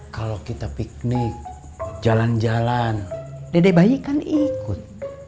kalau kita piknik jalan jalan dede bayi kan ikut